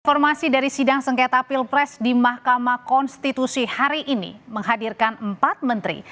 informasi dari sidang sengketa pilpres di mahkamah konstitusi hari ini menghadirkan empat menteri